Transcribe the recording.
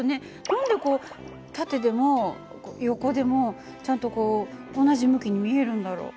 何でこう縦でも横でもちゃんとこう同じ向きに見えるんだろう？